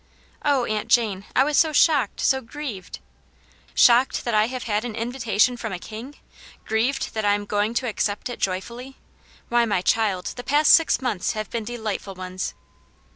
" Oh, Aunt Jane, I was so shocked, so grieved !"" Shocked that I have had an invitation from a King.? Grieved that I am going to accept it joyfully ? Why, my child, the past six months have been de lightful ones